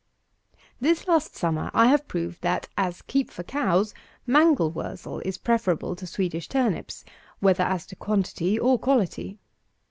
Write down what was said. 254. This last summer, I have proved that, as keep for cows, MANGEL WURZEL is preferable to SWEDISH TURNIPS, whether as to quantity or quality.